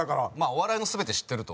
お笑いの全て知ってると。